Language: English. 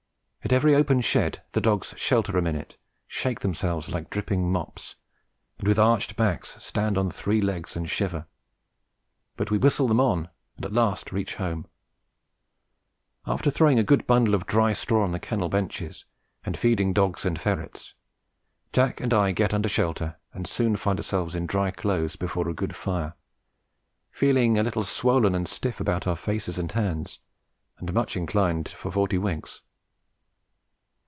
At every open shed the dogs shelter a minute, shake themselves like dripping mops, and with arched backs stand on three legs and shiver; but we whistle them on and at last reach home. After throwing a good bundle of dry straw on the kennel benches and feeding dogs and ferrets, Jack and I get under shelter and soon find ourselves in dry clothes before a good fire, feeling a little swollen and stiff about our faces and hands, and much inclined for forty winks.